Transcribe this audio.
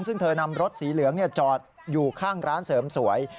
ซึ่งเธอนำรถสีเหลืองจอดอยู่ข้างร้านเสริมสวย